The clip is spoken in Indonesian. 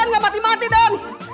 nggak mati mati den